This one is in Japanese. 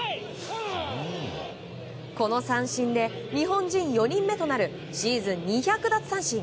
この三振で日本人４人目となるシーズン２００奪三振。